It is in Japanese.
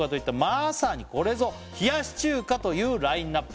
「まさにこれぞ冷やし中華というラインナップ」